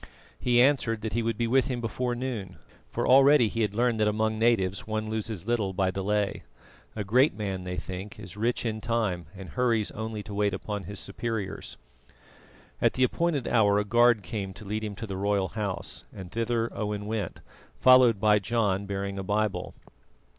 He answered that he would be with him before noon, for already he had learned that among natives one loses little by delay. A great man, they think, is rich in time, and hurries only to wait upon his superiors. At the appointed hour a guard came to lead him to the royal house, and thither Owen went, followed by John bearing a Bible.